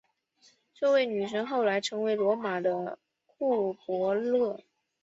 这位女神后来成为罗马的库柏勒。